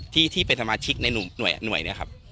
ที่เป็นสมาชิกในหน่วยนี้ครับ